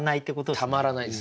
たまらないです。